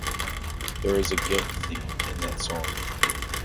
There is a guilt theme in that song.